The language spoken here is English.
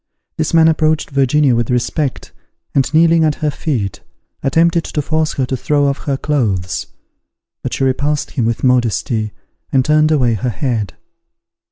This man approached Virginia with respect, and, kneeling at her feet, attempted to force her to throw off her clothes; but she repulsed him with modesty, and turned away her head.